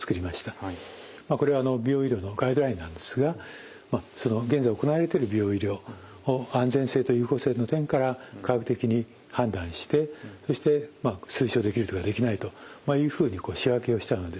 これは美容医療のガイドラインなんですが現在行われている美容医療を安全性と有効性の点から科学的に判断してそして推奨できるとかできないというふうに仕分けをしたのです。